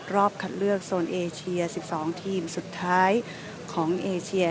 คัดเลือกโซนเอเชีย๑๒ทีมสุดท้ายของเอเชีย